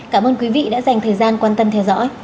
cảm ơn quý vị đã dành thời gian quan tâm theo dõi